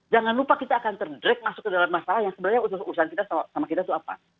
jangan lupa kita akan terdract masuk ke dalam masalah yang sebenarnya urusan kita sama kita itu apa